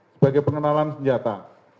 sebagai pengenalan senjata